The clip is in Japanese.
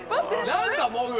何だもぐ！